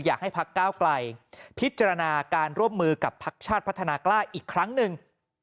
อยากให้พักก้าวไกลพิจารณาการร่วมมือกับพักชาติพัฒนากล้าอีกครั้งหนึ่ง